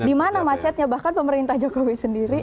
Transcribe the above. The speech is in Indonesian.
di mana macetnya bahkan pemerintah jokowi sendiri